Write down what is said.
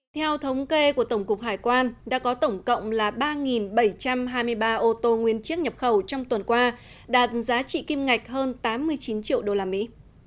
theo thống kê của tổng cục hải quan đã có tổng cộng là ba bảy trăm hai mươi ba ô tô nguyên chiếc nhập khẩu trong tuần qua đạt giá trị kim ngạch hơn tám mươi chín triệu đô la mỹ